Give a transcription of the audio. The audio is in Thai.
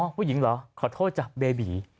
ผู้หญิงเหรอขอโทษจากเบบี